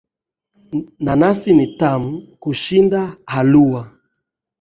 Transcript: Nanasi ni tamu kushinda halua